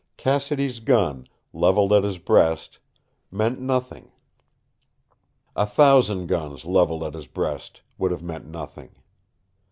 Cassidy's gun, leveled at his breast, meant nothing. A thousand guns leveled at his breast would have meant nothing.